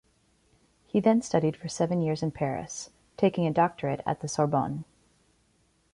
He then studied for seven years in Paris, taking a doctorate at the Sorbonne.